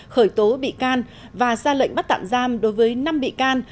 khởi tố bị can và ra lệnh bắt tạm giam đối với năm bị can